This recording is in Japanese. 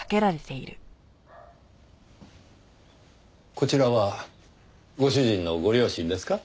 こちらはご主人のご両親ですか？